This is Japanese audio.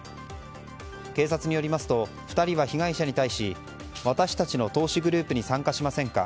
警察によりますと２人は被害者に対し私たちの投資グループに参加しませんか。